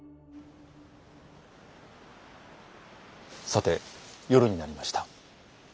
さて夜になりました。